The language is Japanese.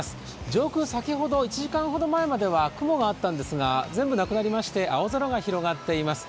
上空、先ほど１時間ほど前までは雲が合ったんですが、全部なくなりまして青空が広がっています。